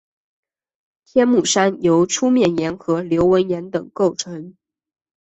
天目山由粗面岩和流纹岩等构成。